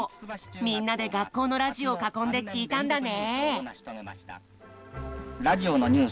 みんなで学校のラジオを囲んで聞いたんだね。